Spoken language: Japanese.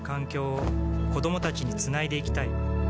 子どもたちにつないでいきたい